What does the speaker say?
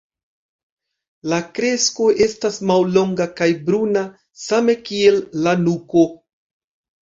La kresto estas mallonga kaj bruna same kiel la nuko.